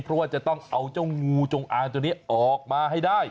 เพราะว่าจะต้องเอาเจ้างูจงอางตัวนี้ออกมาให้ได้